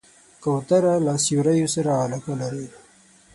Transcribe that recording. کوتره له سیوریو سره علاقه لري.